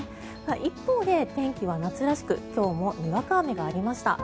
一方で、天気は夏らしく今日もにわか雨がありました。